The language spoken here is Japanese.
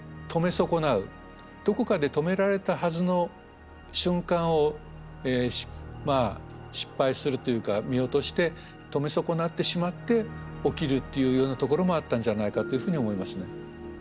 どこかで止められたはずの瞬間をまあ失敗するというか見落として止め損なってしまって起きるというようなところもあったんじゃないかというふうに思いますね。